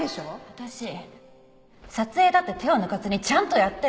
私撮影だって手を抜かずにちゃんとやってる。